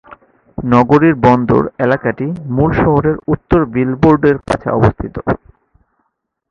নগরীর বন্দর এলাকাটি মূল শহরের উত্তর ভিলভোর্ডে-র কাছে অবস্থিত।